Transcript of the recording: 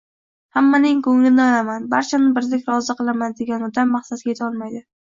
Hammaning ko‘nglini olaman, barchani birdek rozi qilaman, degan odam maqsadiga yeta olmaydi.